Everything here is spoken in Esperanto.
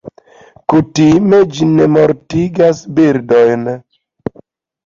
Kutime ĝi ne mortigas birdojn.